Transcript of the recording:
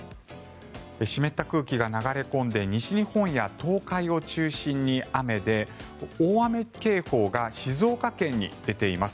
湿った空気が流れ込んで西日本や東海を中心に雨で大雨警報が静岡県に出ています。